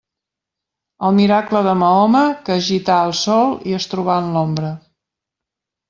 El miracle de Mahoma, que es gità al sol i es trobà en l'ombra.